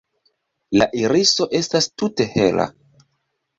La iriso estas tute hela.